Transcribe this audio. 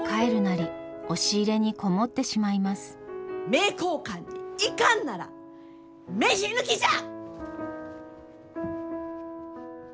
名教館に行かんなら飯抜きじゃ！